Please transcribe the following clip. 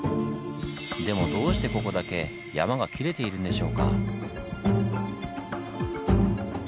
でもどうしてここだけ山が切れているんでしょうか？